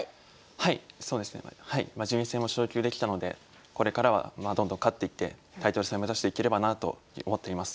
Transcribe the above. はいそうですねはいまあ順位戦も昇級できたのでこれからはどんどん勝っていってタイトル戦を目指していければなと思っています。